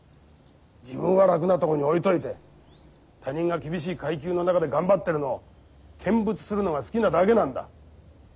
自分は楽なとこに置いといて他人が厳しい階級の中で頑張ってるのを見物するのが好きなだけなんだ。